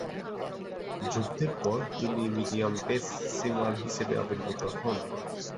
যুদ্ধের পর তিনি মিডিয়াম পেস সীমার হিসেবে আবির্ভূত হন।